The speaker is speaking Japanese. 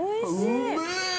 うめえ！